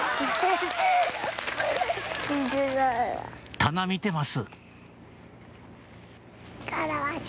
棚見てます